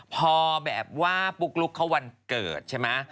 พอแบบว่าปุ๊กลุ๊กเขาวันเกิดใช่ไหม